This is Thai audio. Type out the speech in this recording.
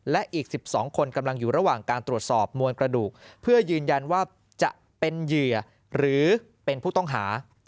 และอีก๑๒คนกำลังอยู่ระหว่างการตรวจสอบมวลกระดูกเพื่อยืนยันว่าจะเป็นเหยื่อหรือเป็นผู้ต้องหา